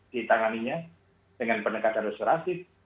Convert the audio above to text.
di tanganinya dengan pendekatan restoratif